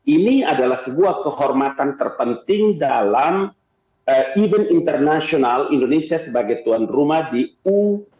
ini adalah sebuah kehormatan terpenting dalam event internasional indonesia sebagai tuan rumah di u dua puluh